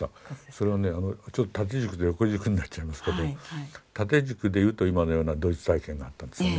それはね縦軸と横軸になっちゃいますけど縦軸で言うと今のようなドイツ体験があったんですよね。